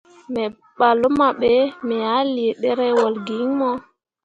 Me ɓah luma be, me ah lii ɗerewol gi iŋ mo.